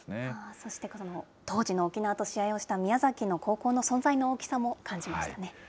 そして、当時の沖縄と試合をした宮崎の高校の存在の大きさも感じましたね。